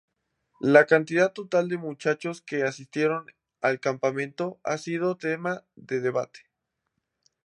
La cantidad total de muchachos que asistieron al campamento ha sido tema de debate.